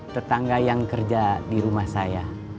tetangga yang kerja di rumah saya